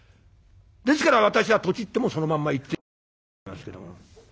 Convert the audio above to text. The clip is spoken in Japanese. ですから私はとちってもそのまんまいってしまうんでございますけども。